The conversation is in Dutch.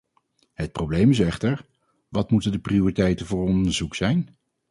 Het probleem is echter: wat moeten de prioriteiten voor onderzoek zijn?